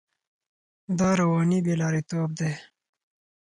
دا رواني بې لارېتوب دی.